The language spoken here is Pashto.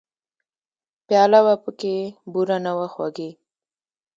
پیاله وه پکې بوره نه وه خوږې !